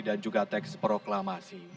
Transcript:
dan juga teks proklamasi